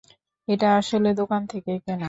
এটা আসলে দোকান থেকে কেনা।